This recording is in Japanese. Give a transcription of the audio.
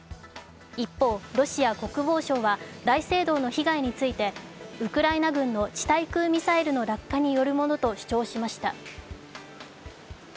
一方、ロシア国防省は大聖堂の被害についてウクライナ軍の地対空ミサイルの落下による者と主張しました。